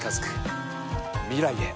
未来へ。